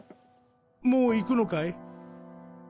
もう行くのかい？